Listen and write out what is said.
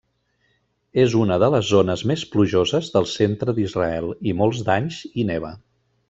És una de les zones més plujoses del centre d'Israel, i molts d'anys hi neva.